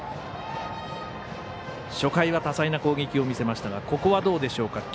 初回は多彩な攻撃を見せましたがここは、どうでしょうか。